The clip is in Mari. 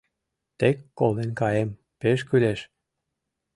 «Тек колен каем — пеш кӱлеш!»